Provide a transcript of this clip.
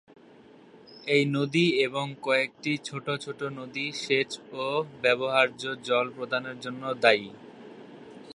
এই নদী এবং কয়েকটি ছোট ছোট নদী সেচ ও ব্যবহার্য জল প্রদানের জন্য দায়ী।